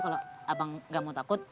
kalau abang gak mau takut